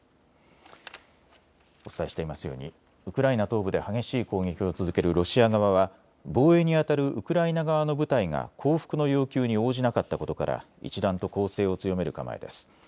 お伝えしていますようにウクライナ東部で激しい攻撃を続けるロシア側は防衛にあたるウクライナ側の部隊が降伏の要求に応じなかったことから一段と攻勢を強める構えです。